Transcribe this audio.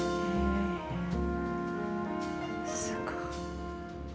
すごい。